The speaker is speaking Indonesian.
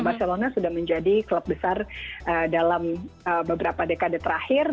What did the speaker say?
barcelona sudah menjadi klub besar dalam beberapa dekade terakhir